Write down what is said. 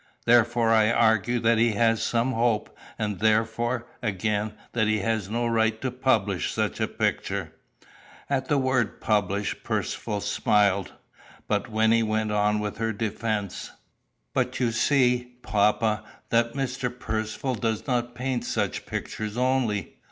Therefore I argue that he has some hope, and therefore, again, that he has no right to publish such a picture." At the word publish Percivale smiled. But Wynnie went on with her defence: "But you see, papa, that Mr. Percivale does not paint such pictures only.